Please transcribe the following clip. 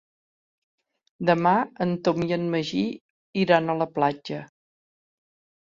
Demà en Tom i en Magí iran a la platja.